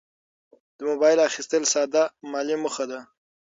د موبایل اخیستل ساده مالي موخه ده.